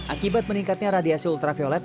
akibat meningkatnya radiasi ultraviolet